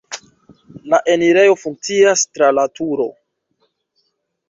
La enirejo funkcias tra la turo.